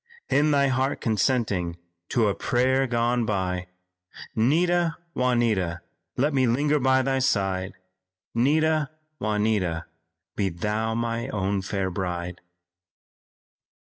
In thy heart consenting to a prayer gone by, 'Nita, Juanita, let me linger by thy side; 'Nita, Juanita, be thou my own fair bride."